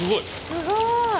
すごい。